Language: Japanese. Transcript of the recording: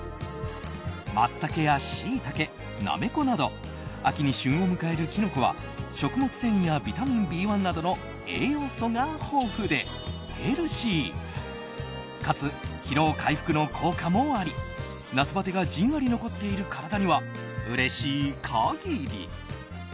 マツタケやシイタケなめこなど秋に旬を迎えるキノコは食物繊維やビタミンＢ１などの栄養素が豊富でヘルシーかつ疲労回復の効果もあり夏バテがじんわり残っている体にはうれしい限り。